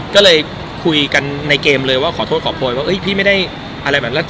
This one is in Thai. ก็เลยคุยกันในเกมเลยว่าขอโทษขอโพยว่าพี่ไม่ได้อะไรแบบนั้น